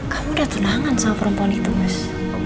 kamu udah tenangan sama perempuan itu mas